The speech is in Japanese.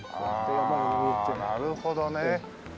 ああなるほどね。